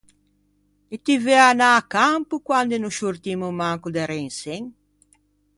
E ti veu anâ à Campo quande no sciortimmo manco de Rensen?